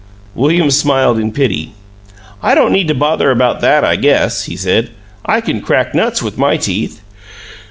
William smiled in pity. "I don't need to bother about that, I guess," he said. "I can crack nuts with my teeth."